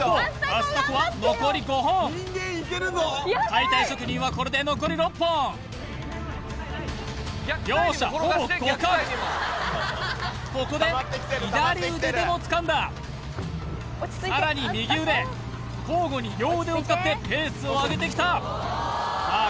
アスタコは残り５本解体職人はこれで残り６本両者ほぼ互角ここで左腕でもつかんださらに右腕交互に両腕を使ってペースを上げてきたさあ